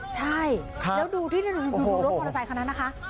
ใช่แล้วดูรถมอเตอร์ไซค์คนนั้นนะคะ